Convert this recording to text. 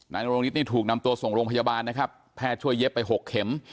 นโรงฤทธินี่ถูกนำตัวส่งโรงพยาบาลนะครับแพทย์ช่วยเย็บไป๖เข็ม